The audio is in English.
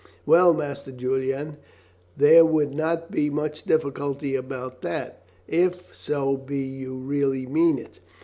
"Well, Master Julian, there would not be much difficulty about that, if so be you really mean it.